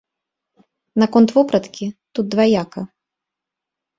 Наконт вопраткі, тут дваяка.